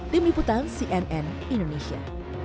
tim liputan cnn indonesia